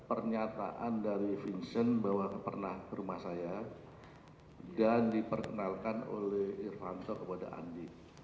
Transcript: pernyataan dari vincent bahwa pernah ke rumah saya dan diperkenalkan oleh irfanto kepada andi